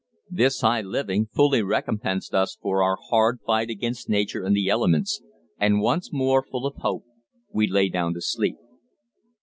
This high living fully recompensed us for our hard fight against nature and the elements, and once more full of hope we lay down to sleep.